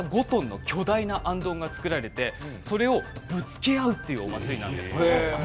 高さ７ｍ重さ５トンの巨大なあんどんが作られて、それをぶつけ合おうというお祭りなんです。